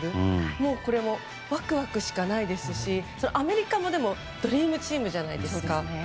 もう、これはワクワクしかないですしでも、アメリカもドリームチームじゃないですか。